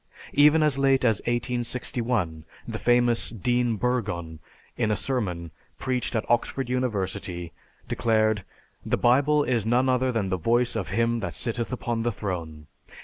Even as late as 1861, the famous Dean Burgon, in a sermon preached at Oxford University, declared, "The Bible is none other than the voice of Him that sitteth upon the throne.